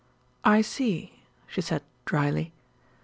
"I see," she said drily.